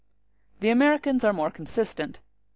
The Americans are more consistent.